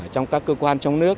trong các cơ quan trong nước